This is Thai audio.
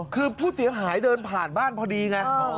คือผู้เสียหายเดินผ่านบ้านพอดีไง